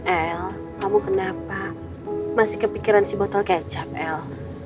el kamu kenapa masih kepikiran si botol kecap el